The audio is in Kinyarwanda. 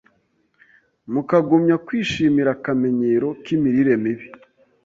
mukagumya kwishimira akamenyero k’imirire mibi